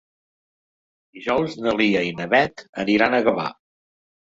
Dijous na Lia i na Beth aniran a Gavà.